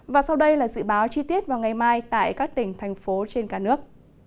và sau đây là dự báo chi tiết vào ngày mai tại các tỉnh thành phố trên cả nước